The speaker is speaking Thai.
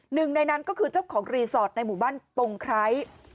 หนึ่งในนั้นก็คือเจ้าของรีสอร์ทในหมู่บ้านปงไคร้